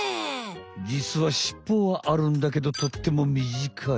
実はしっぽはあるんだけどとってもみじかい。